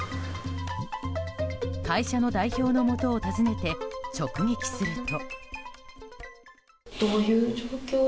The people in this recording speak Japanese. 会社の代表のもとを訪ねて直撃すると。